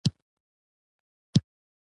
وروسته يې د ګرګين ظلمونه ياد کړل.